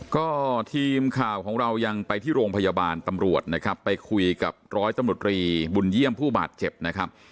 ก็ทีมข่าวของเรายังไปที่โรงพยาบาลตำรวจนะครับไปคุยกับร้อยตำรวจรีบุญเยี่ยมผู้บาดเจ็บนะครับ